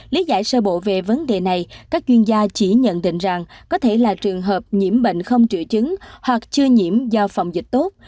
lý giải sơ bộ về vấn đề này các chuyên gia chỉ nhận định rằng có thể là trường hợp nhiễm bệnh không triệu chứng hoặc chưa nhiễm do phòng dịch tốt